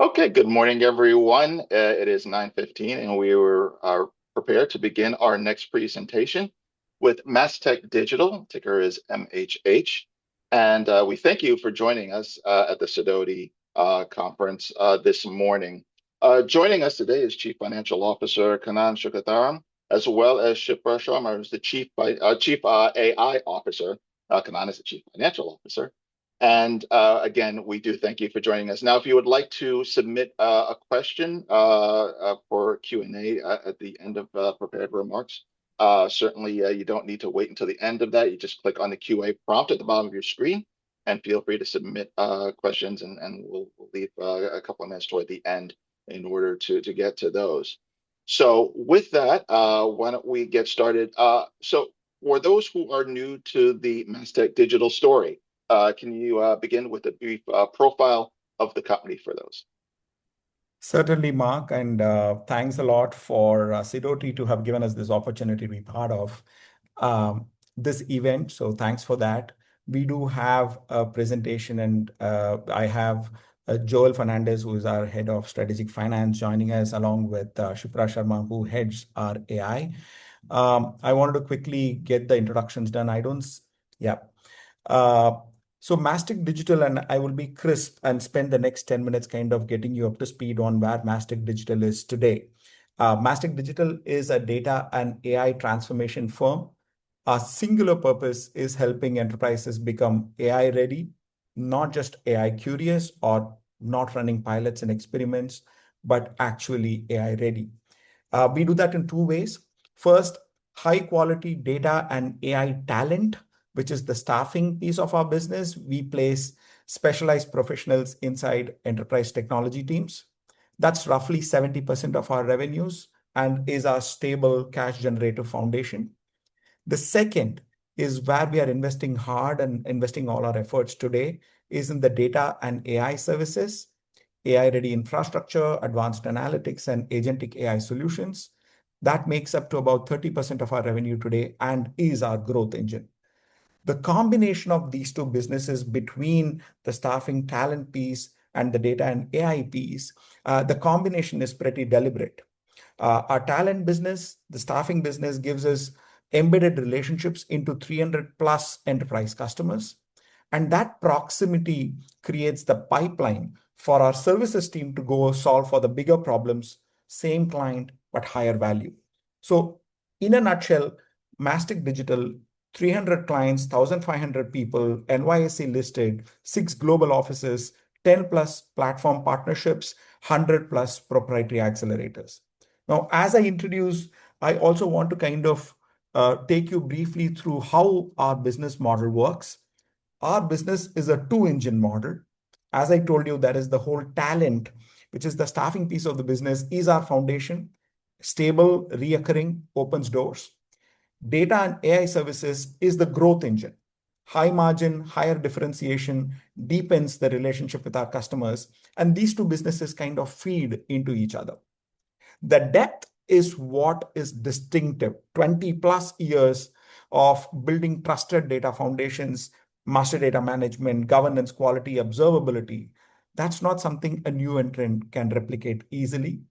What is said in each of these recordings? Okay. Good morning, everyone. It is 9:15 A.M.. We are prepared to begin our next presentation with Mastech Digital, ticker is MHH. We thank you for joining us at the Sidoti conference this morning. Joining us today is Chief Financial Officer, Kannan Sugantharaman, as well as Shipra Sharma, who is the Chief AI Officer. Kannan is the Chief Financial Officer. Again, we do thank you for joining us. Now, if you would like to submit a question for Q&A at the end of prepared remarks, certainly, you don't need to wait until the end of that. You just click on the QA prompt at the bottom of your screen and feel free to submit questions and we'll leave a couple of minutes toward the end in order to get to those. With that, why don't we get started? For those who are new to the Mastech Digital story, can you begin with a brief profile of the company for those? Certainly, Marc, thanks a lot for Sidoti to have given us this opportunity to be part of this event. Thanks for that. We do have a presentation and I have Joel Fernandes, who is our Head of Strategic Finance, joining us along with Shipra Sharma, who heads our AI. I wanted to quickly get the introductions done. Mastech Digital, and I will be crisp and spend the next 10 minutes kind of getting you up to speed on where Mastech Digital is today. Mastech Digital is a data and AI transformation firm. Our singular purpose is helping enterprises become AI ready, not just AI curious or not running pilots and experiments, but actually AI ready. We do that in two ways. First, high quality data and AI talent, which is the staffing piece of our business. We place specialized professionals inside enterprise technology teams. That's roughly 70% of our revenues and is our stable cash generator foundation. The second is where we are investing hard and investing all our efforts today is in the data and AI services, AI ready infrastructure, advanced analytics, and agentic AI solutions. That makes up to about 30% of our revenue today and is our growth engine. The combination of these two businesses between the staffing talent piece and the data and AI piece, the combination is pretty deliberate. Our talent business, the staffing business, gives us embedded relationships into 300-plus enterprise customers, and that proximity creates the pipeline for our services team to go solve for the bigger problems, same client, but higher value. In a nutshell, Mastech Digital, 300 clients, 1,500 people, NYSE listed, six global offices, 10-plus platform partnerships, 100-plus proprietary accelerators. Now, as I introduce, I also want to kind of take you briefly through how our business model works. Our business is a two-engine model. As I told you, that is the whole talent, which is the staffing piece of the business, is our foundation, stable, recurring, opens doors. Data and AI services is the growth engine. High margin, higher differentiation, deepens the relationship with our customers, and these two businesses kind of feed into each other. The depth is what is distinctive. 20-plus years of building trusted data foundations, Master Data Management, governance quality, observability. That's not something a new entrant can replicate easily.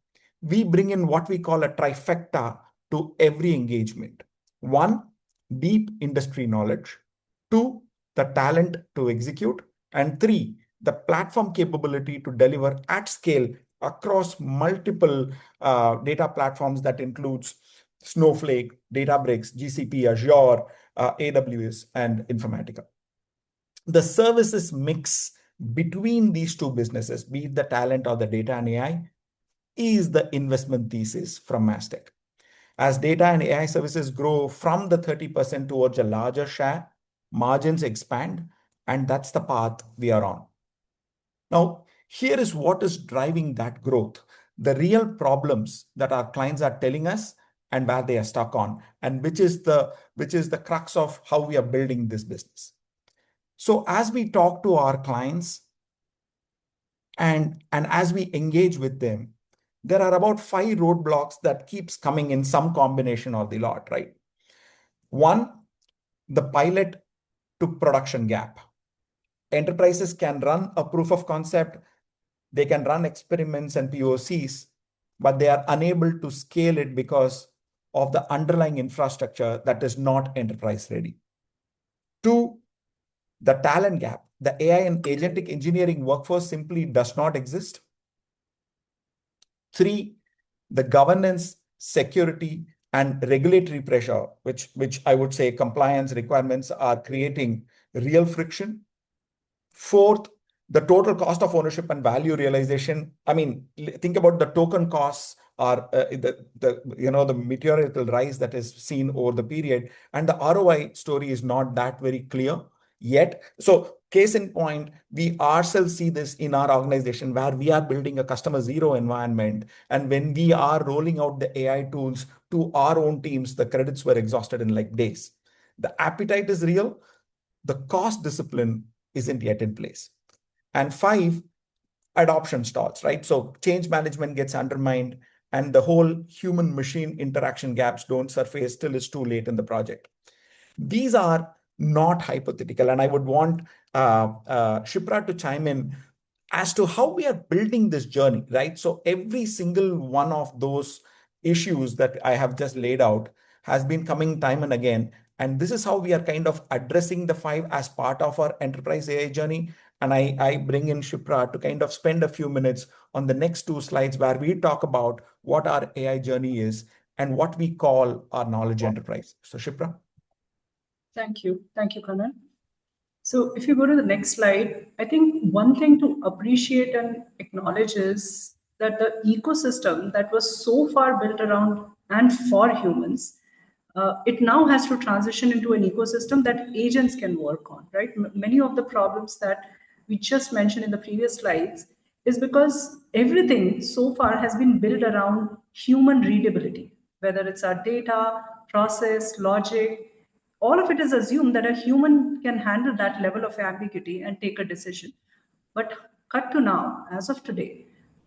We bring in what we call a trifecta to every engagement. One, deep industry knowledge. Two, the talent to execute. Three, the platform capability to deliver at scale across multiple data platforms. That includes Snowflake, Databricks, GCP, Azure, AWS, and Informatica. The services mix between these two businesses, be it the talent or the data and AI, is the investment thesis from Mastech. As data and AI services grow from the 30% towards a larger share, margins expand, and that's the path we are on. Now, here is what is driving that growth, the real problems that our clients are telling us and where they are stuck on, and which is the crux of how we are building this business. As we talk to our clients and as we engage with them, there are about five roadblocks that keeps coming in some combination of the lot, right? One, the pilot to production gap. Enterprises can run a proof of concept, they can run experiments and POCs, but they are unable to scale it because of the underlying infrastructure that is not enterprise ready. Two, the talent gap. The AI and agentic engineering workforce simply does not exist. Three, the governance, security, and regulatory pressure, which I would say compliance requirements are creating real friction. Four, the total cost of ownership and value realization. Think about the token costs or the meteoric rise that is seen over the period and the ROI story is not that very clear yet. Case in point, we ourselves see this in our organization where we are building a customer zero environment, and when we are rolling out the AI tools to our own teams, the credits were exhausted in days. The appetite is real. The cost discipline isn't yet in place. five, adoption starts, right? Change management gets undermined and the whole human-machine interaction gaps don't surface till it's too late in the project. These are not hypothetical, and I would want Shipra to chime in as to how we are building this journey, right? Every single one of those issues that I have just laid out has been coming time and again, and this is how we are kind of addressing the five as part of our enterprise AI journey. I bring in Shipra to kind of spend a few minutes on the next two slides where we talk about what our AI journey is and what we call our knowledge enterprise. Shipra. Thank you. Thank you, Kannan. If you go to the next slide, I think one thing to appreciate and acknowledge is that the ecosystem that was so far built around and for humans, it now has to transition into an ecosystem that agents can work on, right. Many of the problems that we just mentioned in the previous slides is because everything so far has been built around human readability, whether it's our data, process, logic, all of it is assumed that a human can handle that level of ambiguity and take a decision. Cut to now, as of today,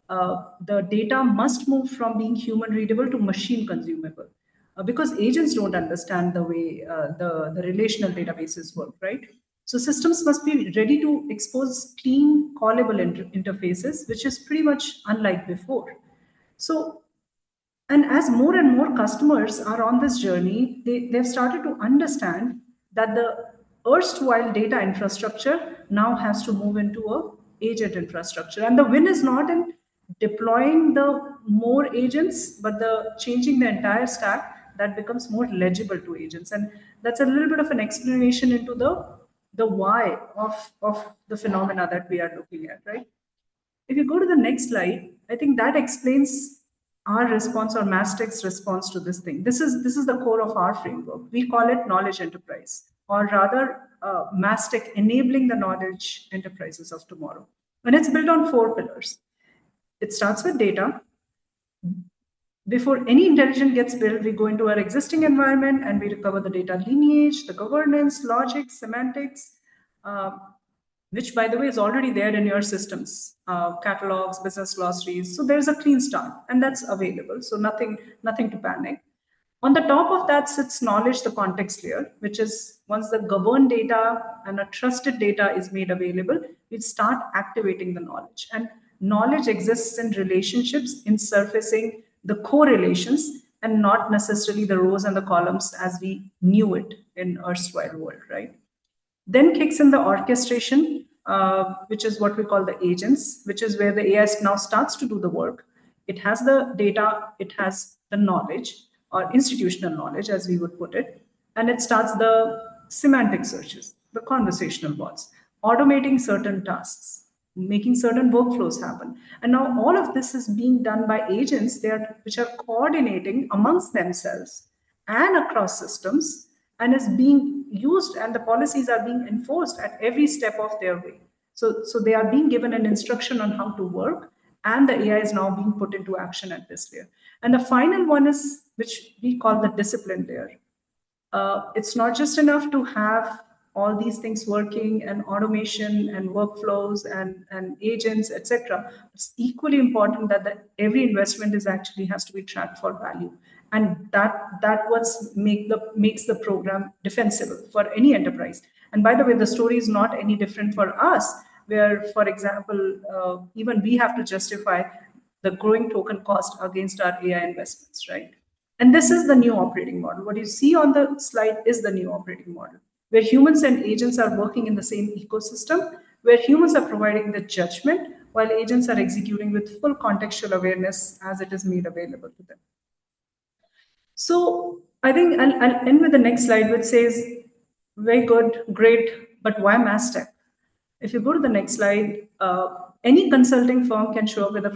the data must move from being human readable to machine consumable, because agents don't understand the way the relational databases work, right. Systems must be ready to expose clean, callable interfaces, which is pretty much unlike before. As more and more customers are on this journey, they've started to understand that the erstwhile data infrastructure now has to move into an agent infrastructure. The win is not in deploying the more agents, but the changing the entire stack that becomes more legible to agents. That's a little bit of an explanation into the why of the phenomena that we are looking at, right? If you go to the next slide, I think that explains our response, or Mastech's response to this thing. This is the core of our framework. We call it knowledge enterprise, or rather, Mastech enabling the knowledge enterprises of tomorrow, and it's built on four pillars. It starts with data. Before any intelligence gets built, we go into our existing environment and we recover the data lineage, the governance, logic, semantics, which by the way, is already there in your systems, catalogs, business glossaries. There's a clean start, and that's available. Nothing to panic. On the top of that sits knowledge, the context layer, which is once the governed data and a trusted data is made available, we start activating the knowledge. Knowledge exists in relationships, in surfacing the correlations, and not necessarily the rows and the columns as we knew it in erstwhile world, right? Kicks in the orchestration, which is what we call the agents, which is where the AI now starts to do the work. It has the data, it has the knowledge, or institutional knowledge, as we would put it starts the semantic searches, the conversational bots, automating certain tasks, making certain workflows happen. Now all of this is being done by agents, which are coordinating amongst themselves and across systems and is being used, and the policies are being enforced at every step of their way. They are being given an instruction on how to work, the AI is now being put into action at this layer. The final one is, which we call the discipline layer. It's not just enough to have all these things working and automation and workflows and agents, et cetera. It's equally important that every investment is actually has to be tracked for value. That what makes the program defensible for any enterprise. By the way, the story is not any different for us, where, for example, even we have to justify the growing token cost against our AI investments, right? This is the new operating model. What you see on the slide is the new operating model, where humans and agents are working in the same ecosystem, where humans are providing the judgment while agents are executing with full contextual awareness as it is made available to them. I think I'll end with the next slide, which says very good, great, but why Mastech? If you go to the next slide, any consulting firm can show up with a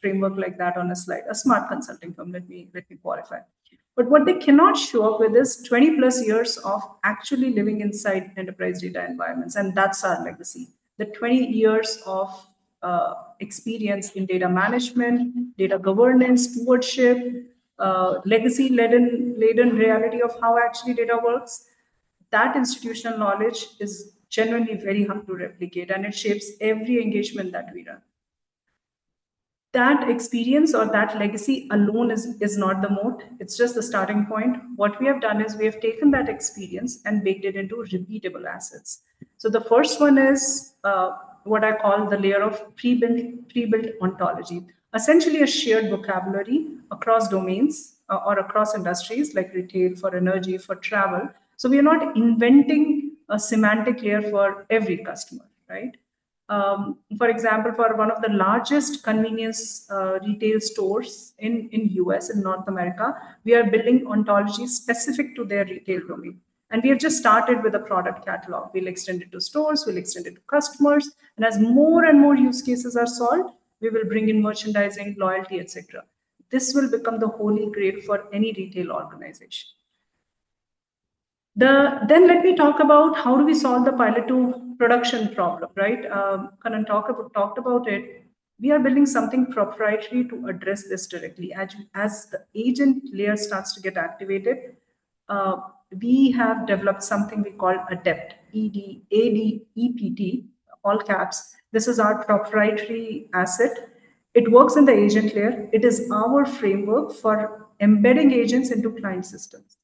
framework like that on a slide. A smart consulting firm, let me qualify. What they cannot show up with is 20 plus years of actually living inside enterprise data environments, and that's our legacy. The 20 years of experience in data management, data governance, stewardship, legacy-laden reality of how actually data works. That institutional knowledge is genuinely very hard to replicate, and it shapes every engagement that we do. That experience or that legacy alone is not the moat. It's just the starting point. What we have done is we have taken that experience and baked it into repeatable assets. The first one is, what I call the layer of pre-built ontology. Essentially a shared vocabulary across domains or across industries like retail, for energy, for travel. We are not inventing a semantic layer for every customer, right? For example, for one of the largest convenience retail stores in U.S., in North America, we are building ontology specific to their retail domain, and we have just started with a product catalog. We'll extend it to stores, we'll extend it to customers, and as more and more use cases are solved, we will bring in merchandising, loyalty, et cetera. This will become the holy grail for any retail organization. Let me talk about how do we solve the pilot to production problem, right? Kannan talked about it. We are building something proprietary to address this directly. As the agent layer starts to get activated. We have developed something we call ADEPT, A-D-E-P-T, all caps. This is our proprietary asset. It works in the agent layer. It is our framework for embedding agents into client systems.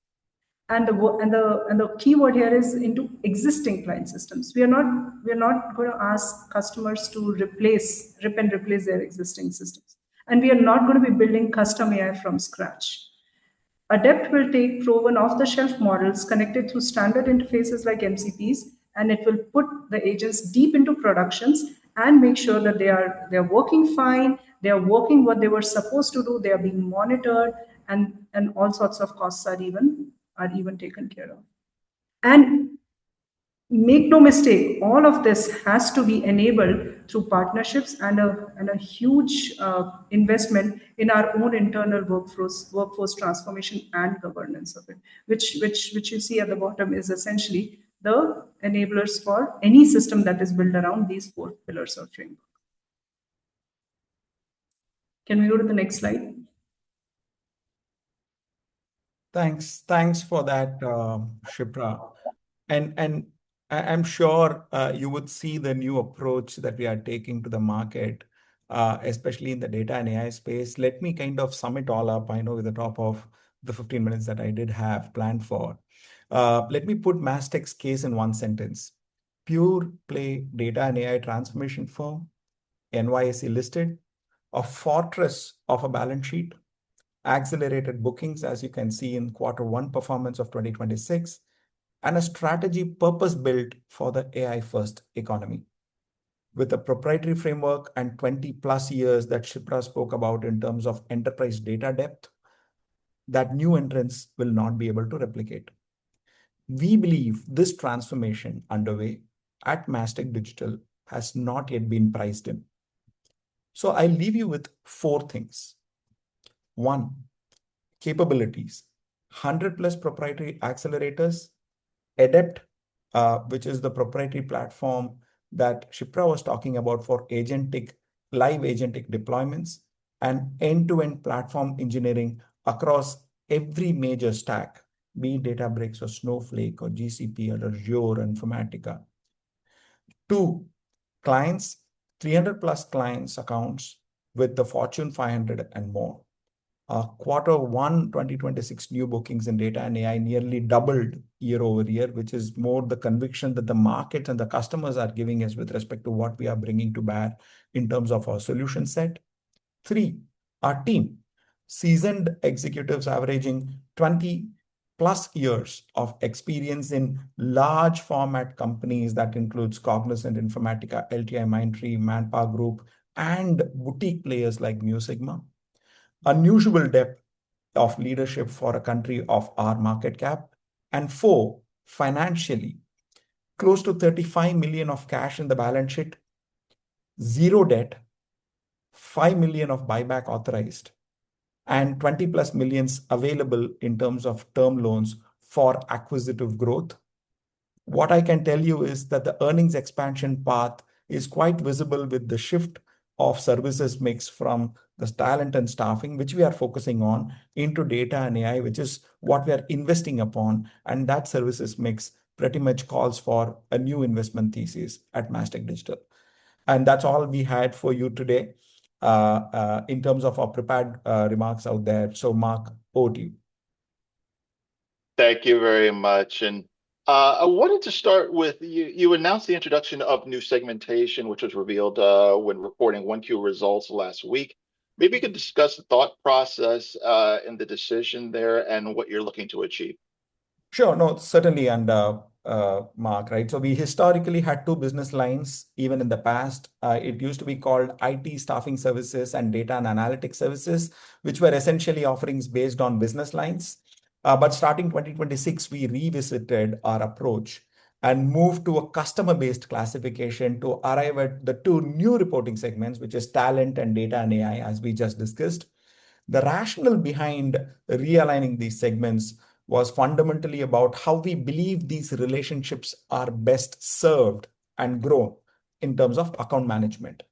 The keyword here is into existing client systems. We are not going to ask customers to rip and replace their existing systems, and we are not going to be building custom AI from scratch. ADEPT will take proven off-the-shelf models connected through standard interfaces like MCPs. It will put the agents deep into productions and make sure that they're working fine, they're working what they were supposed to do, they are being monitored, and all sorts of costs are even taken care of. Make no mistake, all of this has to be enabled through partnerships and a huge investment in our own internal workforce transformation and governance of it, which you see at the bottom is essentially the enablers for any system that is built around these four pillars of framework. Can we go to the next slide? Thanks for that, Shipra. I'm sure you would see the new approach that we are taking to the market, especially in the data and AI space. Let me kind of sum it all up. I know at the top of the 15 minutes that I did have planned for. Let me put Mastech's case in one sentence. Pure play data and AI transformation firm, NYSE listed, a fortress of a balance sheet, accelerated bookings, as you can see in quarter one performance of 2026, and a strategy purpose-built for the AI first economy. With a proprietary framework and 20 plus years that Shipra spoke about in terms of enterprise data depth, that new entrants will not be able to replicate. We believe this transformation underway at Mastech Digital has not yet been priced in. I'll leave you with four things. One, capabilities. 100 plus proprietary accelerators, ADEPT, which is the proprietary platform that Shipra was talking about for agentic, live agentic deployments, and end-to-end platform engineering across every major stack, be it Databricks or Snowflake or GCP or Azure or Informatica. Two, clients. 300 plus clients accounts with the Fortune 500 and more. Q1 2026 new bookings in data and AI nearly doubled year-over-year, which is more the conviction that the market and the customers are giving us with respect to what we are bringing to bear in terms of our solution set. Three, our team. Seasoned executives averaging 20 plus years of experience in large format companies that includes Cognizant, Informatica, LTIMindtree, ManpowerGroup, and boutique players like Mu Sigma. Unusual depth of leadership for a country of our market cap. Four, financially. Close to $35 million of cash in the balance sheet, zero debt, $5 million of buyback authorized, and +$20 million available in terms of term loans for acquisitive growth. What I can tell you is that the earnings expansion path is quite visible with the shift of services mix from this talent and staffing, which we are focusing on, into data and AI, which is what we are investing upon. That services mix pretty much calls for a new investment thesis at Mastech Digital. That's all we had for you today in terms of our prepared remarks out there. Marc, over to you. Thank you very much. I wanted to start with, you announced the introduction of new segmentation, which was revealed when reporting 1Q results last week. Maybe you could discuss the thought process in the decision there and what you're looking to achieve? Sure. No, certainly, Marc, right? We historically had two business lines, even in the past. It used to be called IT staffing services and data and analytics services, which were essentially offerings based on business lines. Starting 2026, we revisited our approach and moved to a customer-based classification to arrive at the two new reporting segments, which is Talent and Data and AI, as we just discussed. The rationale behind realigning these segments was fundamentally about how we believe these relationships are best served and grown in terms of account management.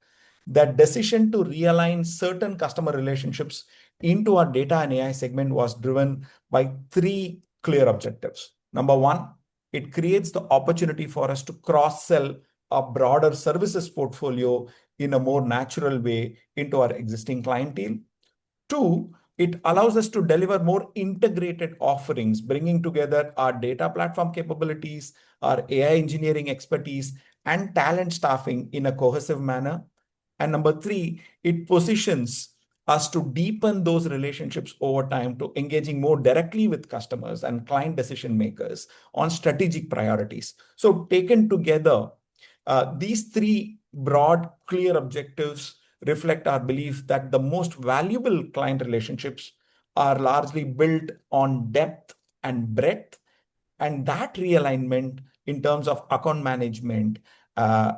That decision to realign certain customer relationships into our Data and AI segment was driven by three clear objectives. Number one, it creates the opportunity for us to cross-sell a broader services portfolio in a more natural way into our existing client team. Two, it allows us to deliver more integrated offerings, bringing together our data platform capabilities, our AI engineering expertise, and talent staffing in a cohesive manner. Number three, it positions us to deepen those relationships over time to engaging more directly with customers and client decision makers on strategic priorities. Taken together, these three broad, clear objectives reflect our belief that the most valuable client relationships are largely built on depth and breadth. That realignment in terms of account management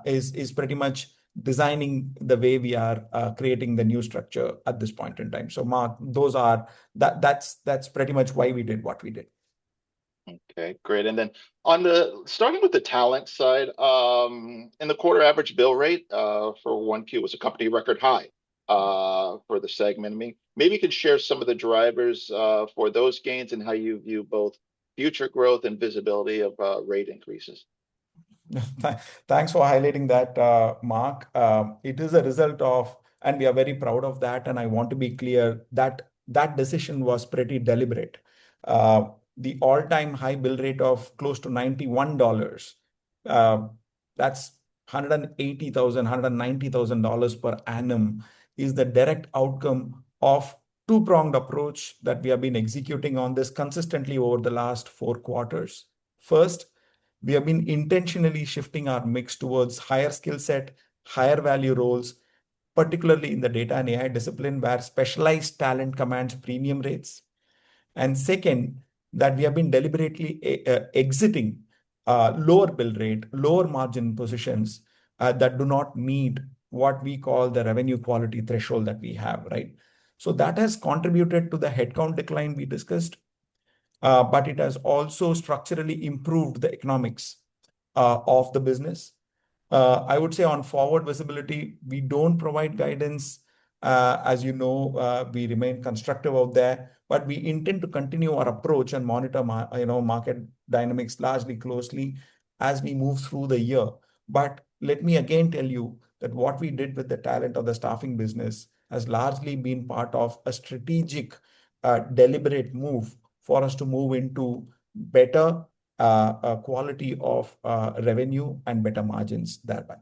is pretty much designing the way we are creating the new structure at this point in time. Marc, that's pretty much why we did what we did. Okay, great. Starting with the talent side, in the quarter, average bill rate for 1Q was a company record high for the segment. Maybe you could share some of the drivers for those gains and how you view both future growth and visibility of rate increases? Thanks for highlighting that, Marc. It is a result of, and we are very proud of that, and I want to be clear that that decision was pretty deliberate. The all-time high bill rate of close to $91, that's $180,000, $190,000/annum, is the direct outcome of two pronged approach that we have been executing on this consistently over the last four quarters. First, we have been intentionally shifting our mix towards higher skill set, higher value roles, particularly in the data and AI discipline, where specialized talent commands premium rates. Second, that we have been deliberately exiting lower bill rate, lower margin positions that do not meet what we call the revenue quality threshold that we have, right? That has contributed to the headcount decline we discussed, but it has also structurally improved the economics of the business. I would say on forward visibility, we don't provide guidance. As you know, we remain constructive out there, but we intend to continue our approach and monitor market dynamics largely closely as we move through the year. Marc, let me again tell you that what we did with the talent of the staffing business has largely been part of a strategic, deliberate move for us to move into better quality of revenue and better margins that way.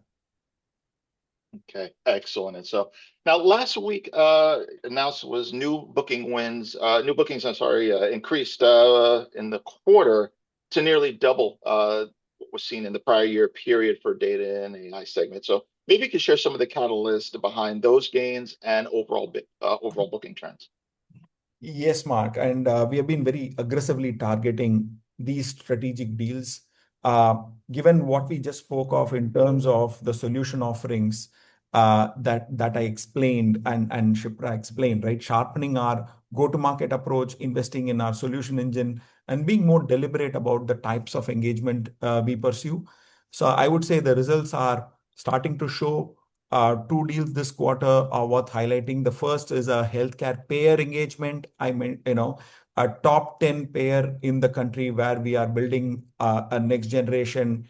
Okay, excellent. Now, last week announced was new booking wins. New bookings, I'm sorry, increased in the quarter to nearly double what was seen in the prior year period for data and AI segment. Maybe you could share some of the catalyst behind those gains and overall booking trends. Yes, Marc. We have been very aggressively targeting these strategic deals. Given what we just spoke of in terms of the solution offerings that I explained and Shipra explained, right? Sharpening our go-to-market approach, investing in our solution engine, and being more deliberate about the types of engagement we pursue. I would say the results are starting to show. Two deals this quarter are worth highlighting. The first is a healthcare payer engagement. A top 10 payer in the country where we are building a next generation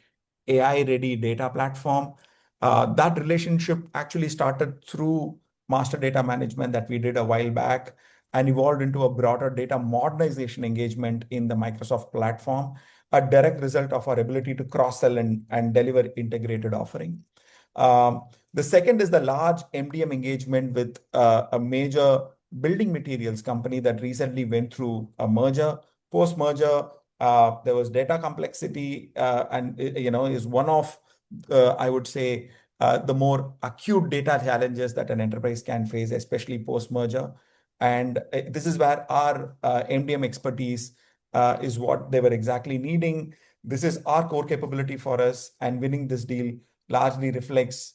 AI-ready data platform. That relationship actually started through Master Data Management that we did a while back and evolved into a broader data modernization engagement in the Microsoft platform, a direct result of our ability to cross-sell and deliver integrated offering. The second is the large MDM engagement with a major building materials company that recently went through a merger. Post-merger, there was data complexity, and is one of, I would say, the more acute data challenges that an enterprise can face, especially post-merger. This is where our MDM expertise is what they were exactly needing. This is our core capability for us, and winning this deal largely reflects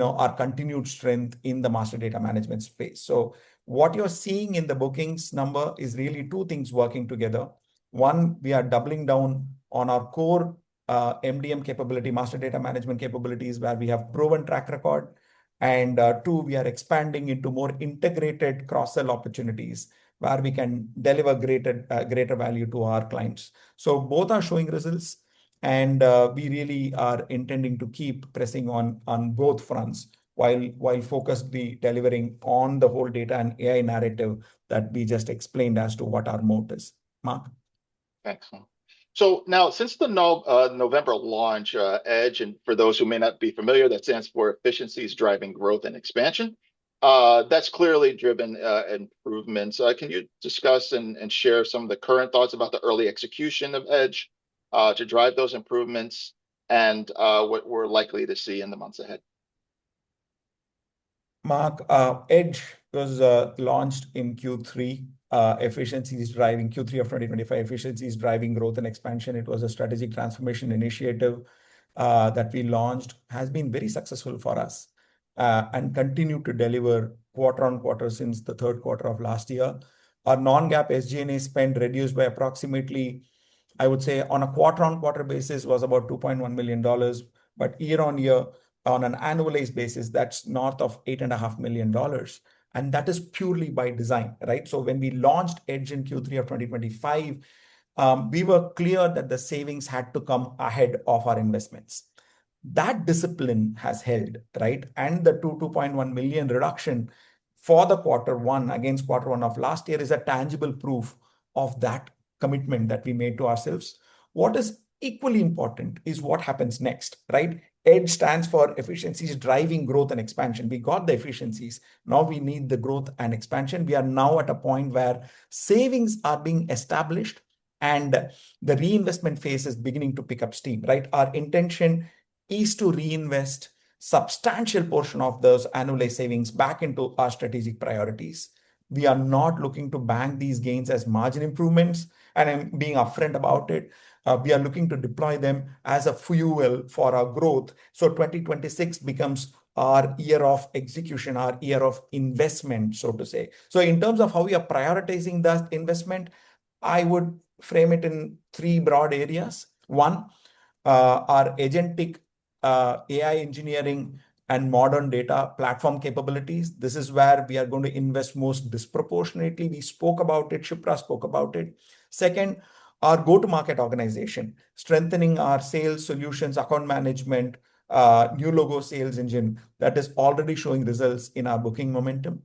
our continued strength in the master data management space. What you're seeing in the bookings number is really two things working together. One, we are doubling down on our core MDM capability, master data management capabilities, where we have proven track record. Two, we are expanding into more integrated cross-sell opportunities where we can deliver greater value to our clients. Both are showing results, and we really are intending to keep pressing on both fronts while focused be delivering on the whole data and AI narrative that we just explained as to what our moat is. Marc? Excellent. Now since the November launch, EDGE, and for those who may not be familiar, that stands for Efficiencies Driving Growth and Expansion. That's clearly driven improvements. Can you discuss and share some of the current thoughts about the early execution of EDGE to drive those improvements and what we're likely to see in the months ahead? Marc, EDGE was launched in Q3. Efficiencies Driving Q3 of 2025. Efficiencies Driving Growth and Expansion. It was a strategic transformation initiative that we launched, has been very successful for us. Continue to deliver quarter-over-quarter since the third quarter of last year. Our non-GAAP SG&A spend reduced by approximately, I would say, on a quarter-over-quarter basis, was about $2.1 million. Year-over-year, on an annualized basis, that's north of $8.5 million. That is purely by design, right? When we launched EDGE in Q3 of 2025, we were clear that the savings had to come ahead of our investments. That discipline has held, right? The $2.1 million reduction for the quarter one against quarter one of last year is a tangible proof of that commitment that we made to ourselves. What is equally important is what happens next, right? EDGE stands for Efficiencies Driving Growth and Expansion. We got the efficiencies. We need the growth and expansion. We are now at a point where savings are being established and the reinvestment phase is beginning to pick up steam, right? Our intention is to reinvest substantial portion of those annualized savings back into our strategic priorities. We are not looking to bank these gains as margin improvements, and I'm being upfront about it. We are looking to deploy them as a fuel for our growth. 2026 becomes our year of execution, our year of investment, so to say. In terms of how we are prioritizing that investment, I would frame it in three broad areas. One. Our agentic AI engineering and modern data platform capabilities, this is where we are going to invest most disproportionately. We spoke about it, Shipra spoke about it. Second, our go-to-market organization, strengthening our sales solutions, account management, new logo sales engine, that is already showing results in our booking momentum.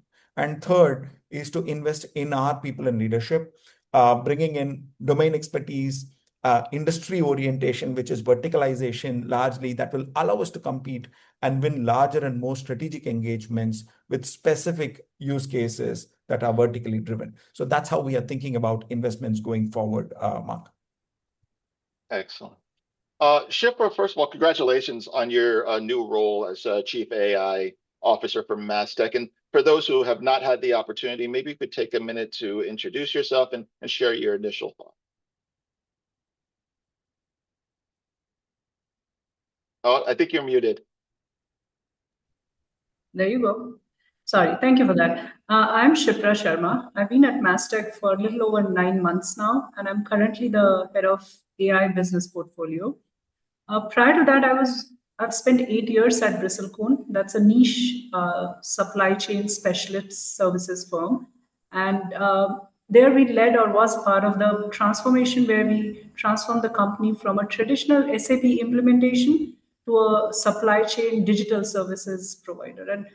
Third is to invest in our people and leadership, bringing in domain expertise, industry orientation, which is verticalization, largely, that will allow us to compete and win larger and more strategic engagements with specific use cases that are vertically driven. That's how we are thinking about investments going forward, Marc. Excellent. Shipra, first of all, congratulations on your new role as Chief AI Officer for Mastech. For those who have not had the opportunity, maybe you could take a minute to introduce yourself and share your initial thought. Oh, I think you're muted. There you go. Sorry. Thank you for that. I'm Shipra Sharma. I've been at Mastech for a little over nine months now, and I'm currently the Head of AI Business Portfolio. Prior to that, I've spent eight years at Bristlecone. That's a niche supply chain specialist services firm. There we led or was part of the transformation where we transformed the company from a traditional SAP implementation to a supply chain digital services provider.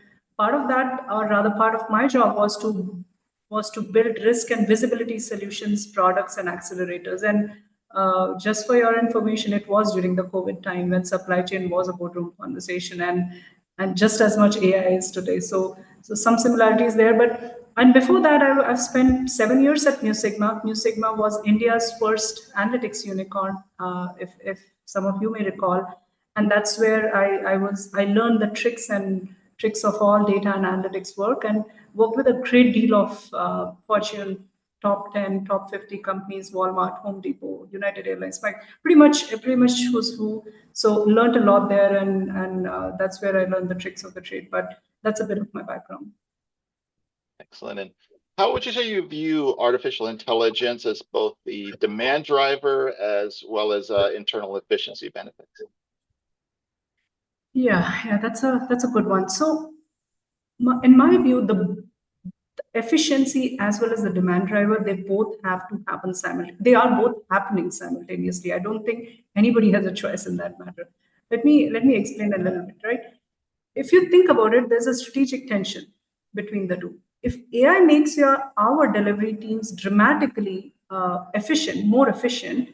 Part of that, or rather part of my job, was to build risk and visibility solutions, products, and accelerators. Just for your information, it was during the COVID time when supply chain was a boardroom conversation and just as much AI is today. Some similarities there. Before that, I've spent seven years at Mu Sigma. Mu Sigma was India's first analytics unicorn, if some of you may recall. That's where I learned the tricks of all data and analytics work and worked with a great deal of Fortune top 10, top 50 companies, Walmart, The Home Depot, United Airlines, like pretty much who's who. Learned a lot there and that's where I learned the tricks of the trade. That's a bit of my background. Excellent. How would you say you view artificial intelligence as both the demand driver as well as an internal efficiency benefit too? Yeah. That's a good one. In my view, the efficiency as well as the demand driver, they both have to happen simultaneously. They are both happening simultaneously. I don't think anybody has a choice in that matter. Let me explain a little bit. If you think about it, there's a strategic tension between the two. If AI makes our delivery teams dramatically more efficient,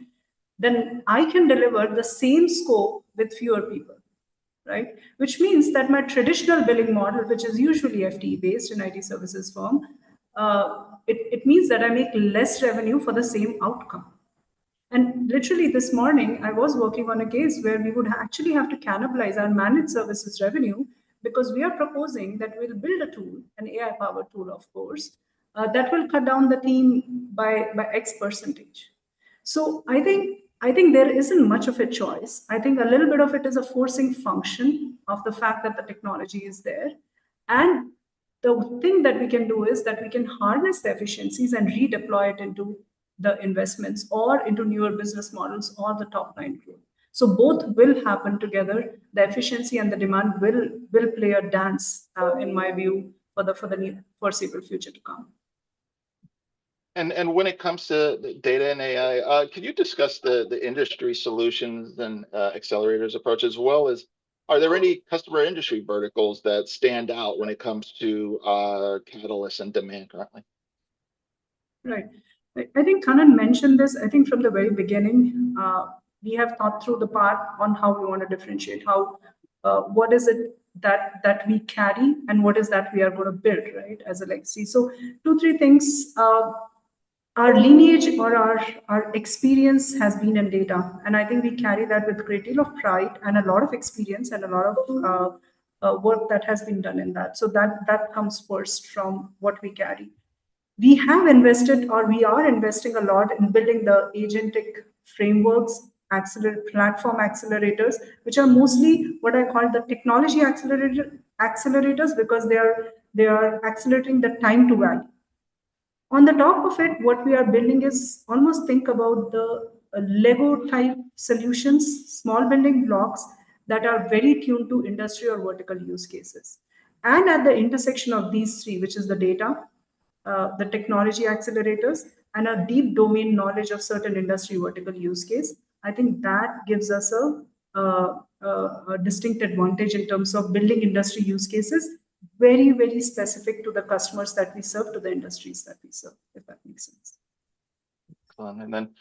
then I can deliver the same scope with fewer people. Which means that my traditional billing model, which is usually FTE based in IT services firm, it means that I make less revenue for the same outcome. Literally this morning, I was working on a case where we would actually have to cannibalize our managed services revenue because we are proposing that we'll build a tool, an AI-powered tool, of course, that will cut down the team by X%. I think there isn't much of a choice. I think a little bit of it is a forcing function of the fact that the technology is there. The thing that we can do is that we can harness the efficiencies and redeploy it into the investments or into newer business models or the top-line growth. Both will happen together. The efficiency and the demand will play a dance, in my view, for the foreseeable future to come. When it comes to data and AI, could you discuss the industry solutions and accelerators approach as well as, are there any customer industry verticals that stand out when it comes to our catalyst and demand growth? Right. I think Kannan mentioned this. I think from the very beginning, we have thought through the path on how we want to differentiate, what is it that we carry and what is that we are going to build as a legacy. Two, three things. Our lineage or our experience has been in data, and I think we carry that with a great deal of pride and a lot of experience and a lot of work that has been done in that. That comes first from what we carry. We have invested, or we are investing a lot in building the agentic frameworks, platform accelerators, which are mostly what I call the technology accelerators because they are accelerating the time to value. On the top of it, what we are building is almost think about the Lego-type solutions, small building blocks that are very tuned to industry or vertical use cases. At the intersection of these three, which is the data, the technology accelerators, and a deep domain knowledge of certain industry vertical use case, I think that gives us a distinct advantage in terms of building industry use cases very specific to the customers that we serve, to the industries that we serve, if that makes sense. Excellent.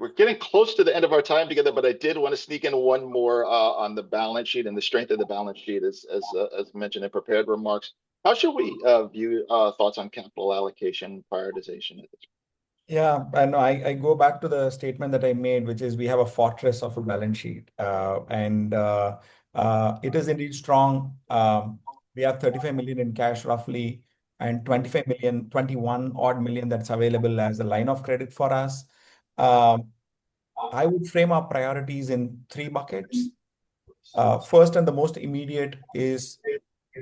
We're getting close to the end of our time together, but I did want to sneak in one more on the balance sheet and the strength of the balance sheet as mentioned in prepared remarks. How should we view thoughts on capital allocation prioritization at this point? I go back to the statement that I made, which is we have a fortress of a balance sheet. It is indeed strong. We have $35 million in cash roughly, and $21 million that's available as a line of credit for us. I would frame our priorities in three buckets. First and the most immediate is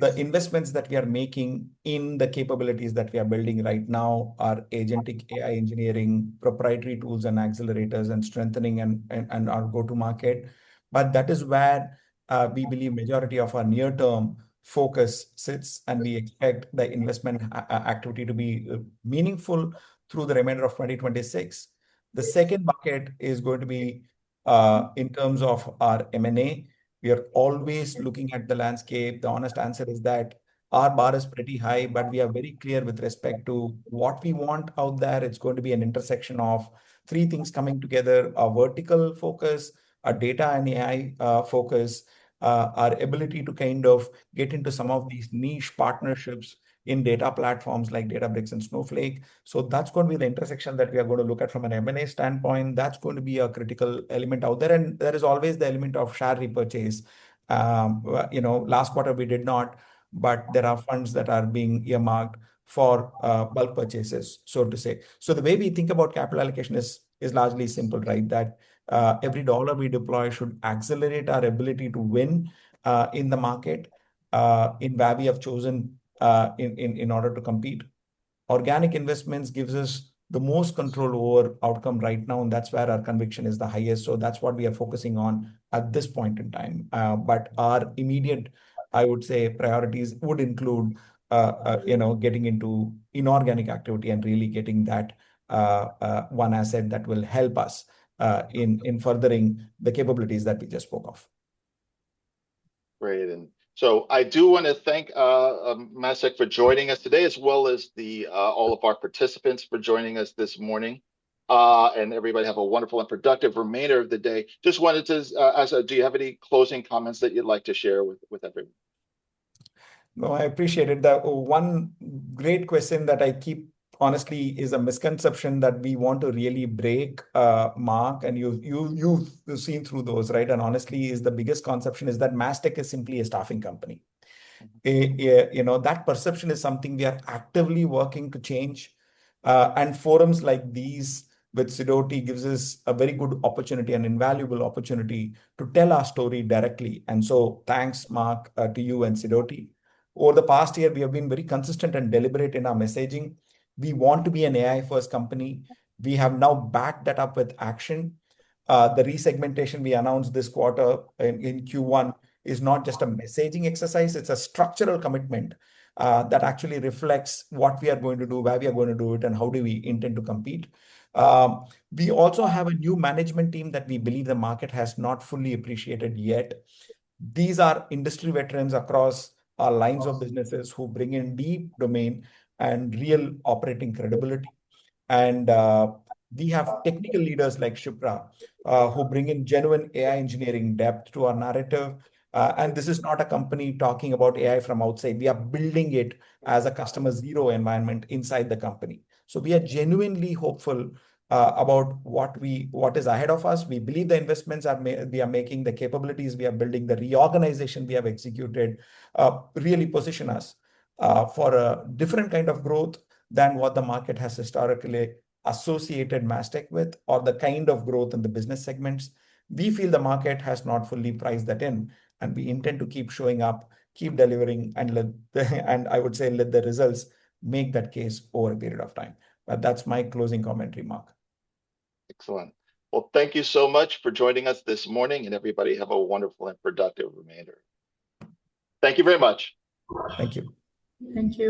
the investments that we are making in the capabilities that we are building right now, our agentic AI engineering, proprietary tools, and accelerators, and strengthening, and our go-to market. That is where we believe majority of our near-term focus sits, and we expect the investment activity to be meaningful through the remainder of 2026. The second bucket is going to be in terms of our M&A. We are always looking at the landscape. The honest answer is that our bar is pretty high, but we are very clear with respect to what we want out there. It's going to be an intersection of three things coming together, a vertical focus, a data and AI focus, our ability to kind of get into some of these niche partnerships in data platforms like Databricks and Snowflake. That's going to be the intersection that we are going to look at from an M&A standpoint. That's going to be a critical element out there, and there is always the element of share repurchase. Last quarter we did not, but there are funds that are being earmarked for bulk purchases, so to say. The way we think about capital allocation is largely simple, right? That every dollar we deploy should accelerate our ability to win in the market, in where we have chosen in order to compete. Organic investments gives us the most control over outcome right now, and that's where our conviction is the highest, so that's what we are focusing on at this point in time. Our immediate, I would say, priorities would include getting into inorganic activity and really getting that 1 asset that will help us in furthering the capabilities that we just spoke of. Great. I do want to thank Mastech for joining us today, as well as all of our participants for joining us this morning. Everybody have a wonderful and productive remainder of the day. Do you have any closing comments that you'd like to share with everyone? No, I appreciate it. The one great question that I keep, honestly, is a misconception that we want to really break, Marc, and you've seen through those, right? Honestly is the biggest conception is that Mastech is simply a staffing company. That perception is something we are actively working to change. Forums like these with Sidoti gives us a very good opportunity, an invaluable opportunity to tell our story directly. Thanks, Marc, to you and Sidoti. Over the past year, we have been very consistent and deliberate in our messaging. We want to be an AI-first company. We have now backed that up with action. The resegmentation we announced this quarter in Q1 is not just a messaging exercise, it's a structural commitment that actually reflects what we are going to do, where we are going to do it, and how do we intend to compete. We also have a new management team that we believe the market has not fully appreciated yet. These are industry veterans across our lines of businesses who bring in deep domain and real operating credibility. We have technical leaders like Shipra, who bring in genuine AI engineering depth to our narrative. This is not a company talking about AI from outside. We are building it as a customer zero environment inside the company. We are genuinely hopeful about what is ahead of us. We believe the investments we are making, the capabilities we are building, the reorganization we have executed really position us for a different kind of growth than what the market has historically associated Mastech with or the kind of growth in the business segments. We feel the market has not fully priced that in, and we intend to keep showing up, keep delivering, and let I would say, let the results make that case over a period of time. That's my closing commentary, Marc. Excellent. Well, thank you so much for joining us this morning, and everybody have a wonderful and productive remainder. Thank you very much. Thank you. Thank you.